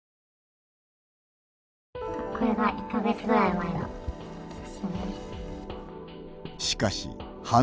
これが１か月くらい前の写真です。